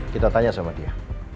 kita tanya sama dia